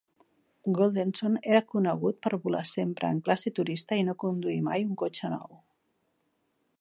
Goldenson era conegut per volar sempre en classe turista i no conduir mai un cotxe nou.